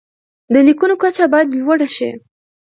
د لیکنو کچه باید لوړه شي.